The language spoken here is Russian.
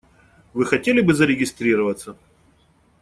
Вы хотели бы зарегистрироваться?